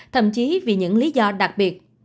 thậm chí vì những lý do đặc biệt